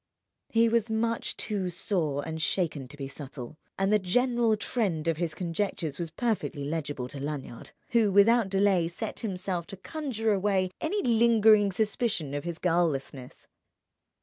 He was much too sore and shaken to be subtle; and the general trend of his conjectures was perfectly legible to Lanyard, who without delay set himself to conjure away any lingering suspicion of his guilelessness.